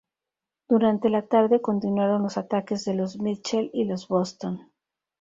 Durante la tarde, continuaron los ataques de los "Mitchell" y los "Boston".